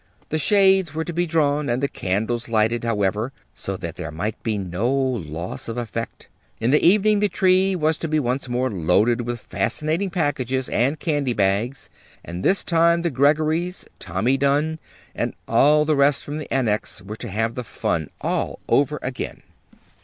The shades were to be drawn and the candles lighted, however, so that there might be no loss of effect. In the evening the tree was to be once more loaded with fascinating packages and candy bags, and this time the Greggorys, Tommy Dunn, and all the rest from the Annex were to have the fun all over again.